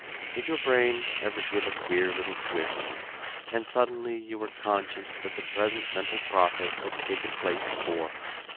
Did your brain ever give a queer little twist, and suddenly you were conscious that the present mental process had taken place before.